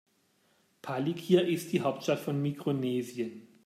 Palikir ist die Hauptstadt von Mikronesien.